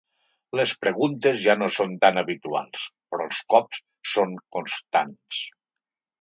Les preguntes ja no són tan habituals, però els cops són constants.